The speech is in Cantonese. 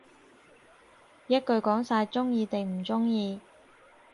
一句講晒，鍾意定唔鍾意